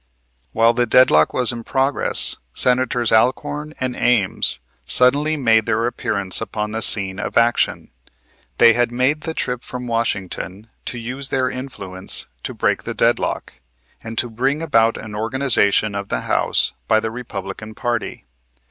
While the deadlock was in progress, Senators Alcorn and Ames suddenly made their appearance upon the scene of action. They had made the trip from Washington to use their influence to break the deadlock, and to bring about an organization of the House by the Republican party.